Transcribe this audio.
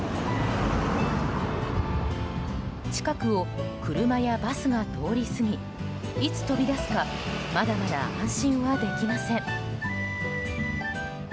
近くを車やバスが通り過ぎいつ飛び出すか、まだまだ安心はできません。